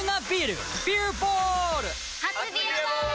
初「ビアボール」！